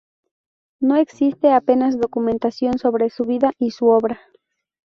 No existe apenas documentación sobre su vida y su obra.